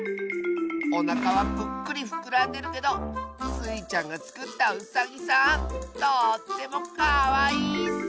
おなかはプックリふくらんでるけどスイちゃんがつくったウサギさんとってもかわいいッス！